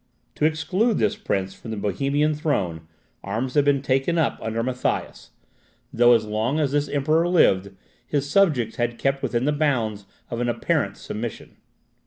To exclude this prince from the Bohemian throne, arms had before been taken up under Matthias, though as long as this Emperor lived, his subjects had kept within the bounds of an apparent submission.